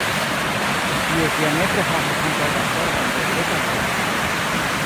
Ties diametro havas ankaŭ la formon de greka kruco.